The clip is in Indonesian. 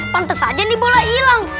tante saja nih bola hilang